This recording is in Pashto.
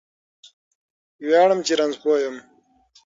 ویاړم چې رانځور پوه یم